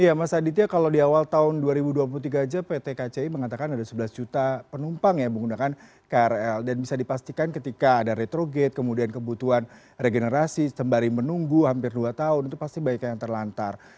iya mas aditya kalau di awal tahun dua ribu dua puluh tiga aja pt kci mengatakan ada sebelas juta penumpang yang menggunakan krl dan bisa dipastikan ketika ada retrogate kemudian kebutuhan regenerasi sembari menunggu hampir dua tahun itu pasti banyak yang terlantar